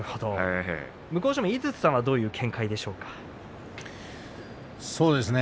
向正面の井筒さんはどういう展開でしょうか。